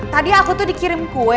tadi aku tuh dikirim kue